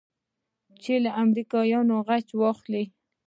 چې له امريکايانو غچ واخلې.